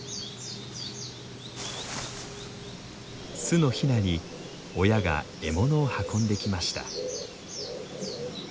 巣のヒナに親が獲物を運んできました。